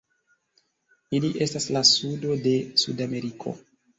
Ili estas la sudo de Sudameriko.